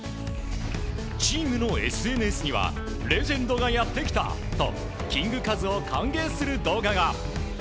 チームのＳＮＳにはレジェンドがやってきたとキングカズを歓迎する動画が。